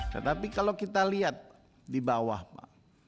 tetapi kalau kita lihat di bawah pak